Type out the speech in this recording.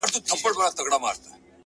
بيا خپه يم مرور دي اموخته کړم”